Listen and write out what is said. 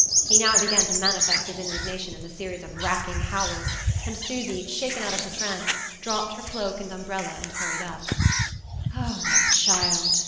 He now began to manifest his indignation in a series of racking howls, and Susy, shaken out of her trance, dropped her cloak and umbrella and hurried up. "Oh, that child!"